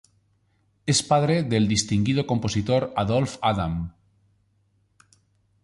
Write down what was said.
Es padre del distinguido compositor Adolphe Adam.